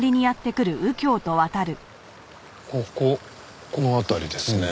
こここの辺りですね。